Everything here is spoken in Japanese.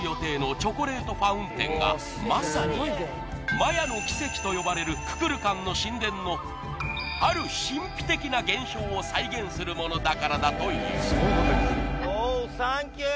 チョコレートファウンテンがまさにと呼ばれるククルカンの神殿のある神秘的な現象を再現するものだからだというおおフー！